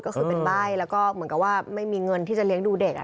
ก็คือเป็นใบ้แล้วก็เหมือนกับว่าไม่มีเงินที่จะเลี้ยงดูเด็ก